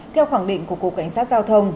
theo khẳng định của cục cảnh sát giao thông